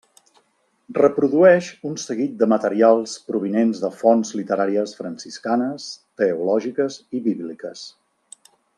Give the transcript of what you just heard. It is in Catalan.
Reprodueix un seguit de materials provinents de fonts literàries franciscanes, teològiques i bíbliques.